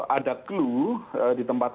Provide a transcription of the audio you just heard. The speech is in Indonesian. ada clue ditempatkannya ke yang tidak terlalu jauh